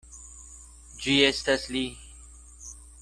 Ĝi estas li!